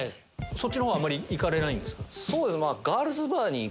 そっちの方はあまりいかれないんですか？